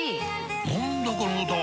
何だこの歌は！